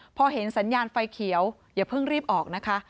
พอเห็นสัญญาณไฟเขียวอย่าเพิ่งรีบออกนะคะ